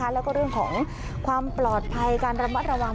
แล้วก็เรื่องของความปลอดภัยการระมัดระวัง